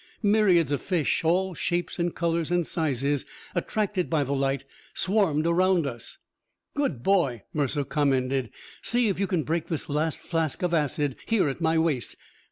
Myriads of fish, all shapes and colors and sizes, attracted by the light, swarmed around us. "Good boy!" Mercer commended. "See if you can break this last flask of acid, here at my waist.